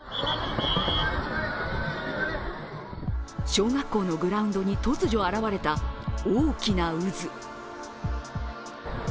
小学校のグラウンドに突如現れた大きな渦。